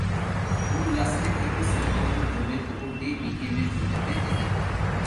মূল রাস্তা থেকে সিটি করপোরেশনের জমির ওপর দিয়ে বিকেএমইএর জমিতে যেতে হয়।